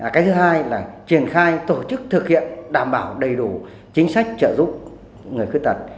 cái thứ hai là triển khai tổ chức thực hiện đảm bảo đầy đủ chính sách trợ giúp người khuyết tật